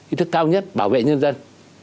ý thức cao nhất bảo vệ nhân dân